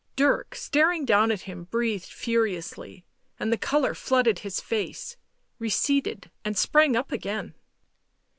Dirk, staring down at him, breathed furiously, and the colour flooded his face, receded, and sprang up again.